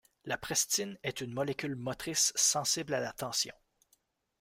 La prestine est une molécule motrice sensible à la tension.